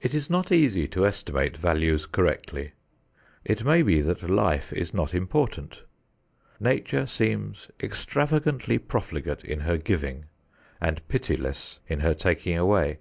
It is not easy to estimate values correctly. It may be that life is not important. Nature seems extravagantly profligate in her giving and pitiless in her taking away.